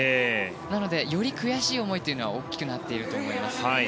なのでより悔しい思いというのは大きくなっていると思います。